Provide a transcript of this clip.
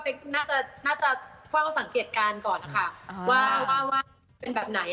น่าจะน่าจะเฝ้าสังเกตการณ์ก่อนนะคะว่าว่าเป็นแบบไหน